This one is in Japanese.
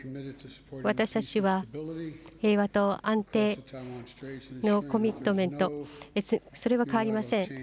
私たちは平和と安定のコミットメント、それは変わりません。